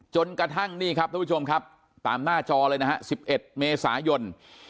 จนกระทั่งนี่ครับท่านผู้ชมครับตามหน้าจอเลยนะฮะ๑๑เมษายน